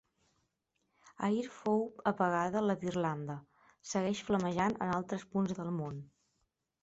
Ahir fou apagada la d'Irlanda. Segueix flamejant en altres punts del món.